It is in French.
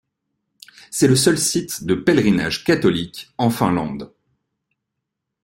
C'est le seul site de pèlerinage catholique en Finlande.